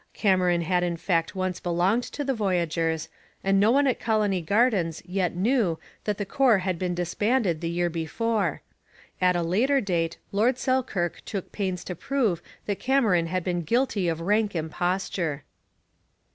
Cameron had in fact once belonged to the Voyageurs, and no one at Colony Gardens yet knew that the corps had been disbanded the year before. At a later date Lord Selkirk took pains to prove that Cameron had been guilty of rank imposture.